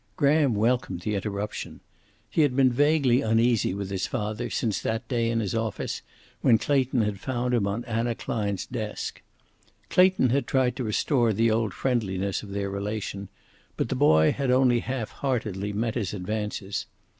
Graham welcomed the interruption. He had been vaguely uneasy with his father since that day in his office when Clayton had found him on Anna Klein's desk. Clayton had tried to restore the old friendliness of their relation, but the boy had only half heartedly met his advances.